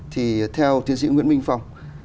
thì theo tiến sĩ nguyễn minh phong